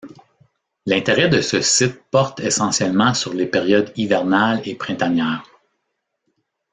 L'intérêt de ce site porte essentiellement sur les périodes hivernales et printanière.